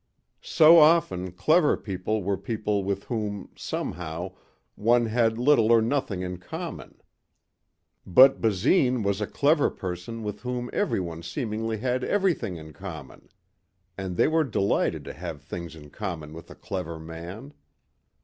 So often clever people were people with whom, somehow, one had little or nothing in common. But Basine was a clever person with whom everyone seemingly had everything in common. And they were delighted to have things in common with a clever man.